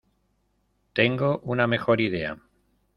Tengo una mejor idea.